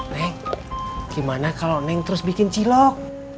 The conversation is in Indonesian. nek gimana kalau neng terus bikin cilok